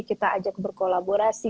kita ajak berkolaborasi